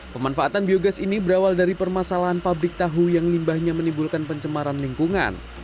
pemanfaatan biogas ini berawal dari permasalahan pabrik tahu yang limbahnya menimbulkan pencemaran lingkungan